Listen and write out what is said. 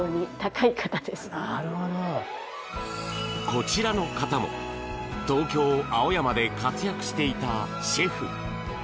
こちらの方も、東京・青山で活躍していたシェフ。